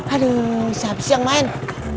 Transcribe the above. aduh siap siap main